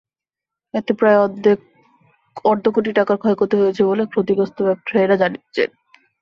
এতে প্রায় অর্ধ কোটি টাকার ক্ষয়ক্ষতি হয়েছে বলে ক্ষতিগ্রস্ত ব্যবসায়ীরা জানিয়েছেন।